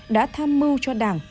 đã tham mưu cho đảng